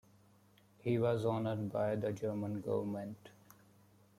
He was honored by the German government.